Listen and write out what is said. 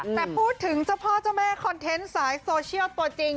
แต่พูดถึงเจ้าพ่อเจ้าแม่คอนเทนต์สายโซเชียลตัวจริง